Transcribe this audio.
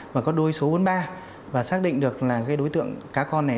và có đuôi số bốn mươi ba và xác định được là cái đối tượng cá con này